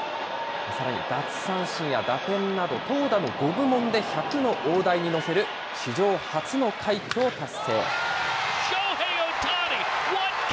さらに奪三振や打点など、投打の５部門で１００の大台に乗せる史上初の快挙を達成。